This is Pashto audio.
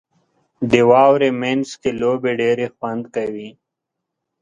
• د واورې مینځ کې لوبې ډېرې خوند کوي.